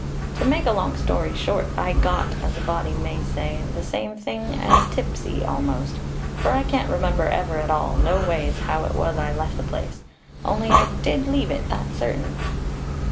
To make a long story short, I got, as a body may say, the same thing as tipsy almost, for I can't remember ever at all, no ways, how it was I left the place; only I did leave it, that's certain.